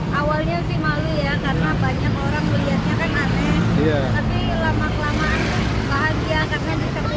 kan awalnya sih malu ya karena banyak orang melihatnya keren